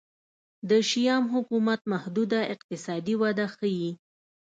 د شیام حکومت محدوده اقتصادي وده ښيي.